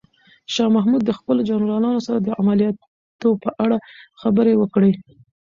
شاه محمود د خپلو جنرالانو سره د عملیاتو په اړه خبرې وکړې.